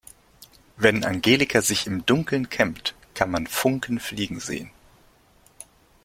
Wenn Angelika sich im Dunkeln kämmt, kann man Funken fliegen sehen.